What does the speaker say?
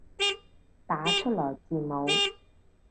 打出來字母